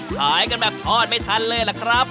ขายกันแบบทอดไม่ทันเลยล่ะครับ